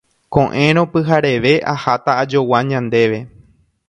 Ko'ẽrõ pyhareve aháta ajogua ñandéve.